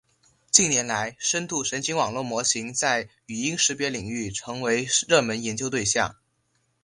近年来，深度神经网络模型在语音识别领域成为热门研究对象。